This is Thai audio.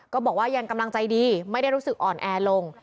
ก็บอกว่ายังกำลังใจดีไม่ได้รู้สึกอ่อนแอลง